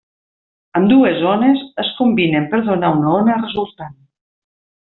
Ambdues ones es combinen per donar una ona resultant.